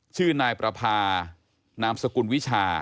ชื่อนายประพานามสกุลวิชา